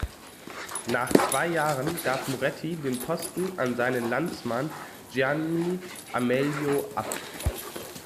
Nach zwei Jahren gab Moretti den Posten an seinen Landsmann Gianni Amelio ab.